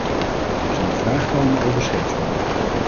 Er zal een vraag komen over scheepsbouw.